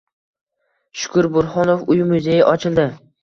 Shukur Burhonov uy-muzeyi ochildi